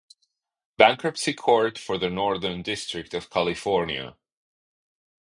Bankruptcy Court for the Northern District of California".